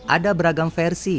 ada beragam versi